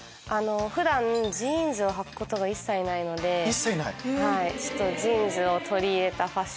普段ジーンズをはくことが一切ないのでジーンズを取り入れたファッションを。